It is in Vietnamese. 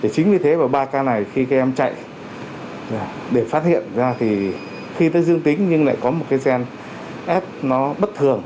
chính vì thế mà ba ca này khi các em chạy để phát hiện ra thì khi nó dương tính nhưng lại có một cái gen ép nó bất thường